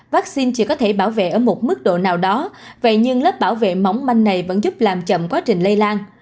vaccine chỉ có thể bảo vệ ở một mức độ nào đó vậy nhưng lớp bảo vệ mỏng manh này vẫn giúp làm chậm quá trình lây lan